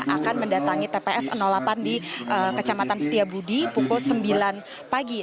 akan mendatangi tps delapan di kecamatan setiabudi pukul sembilan pagi